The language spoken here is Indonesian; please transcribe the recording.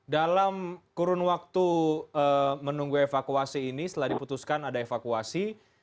dalam kurun waktu menunggu evakuasi ini setelah diputuskan ada evakuasi